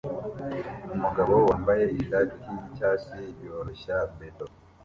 Umugabo wambaye ishati yicyatsi yoroshya beto